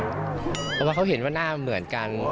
เพราะว่าเขาเห็นว่าหน้าเหมือนกัน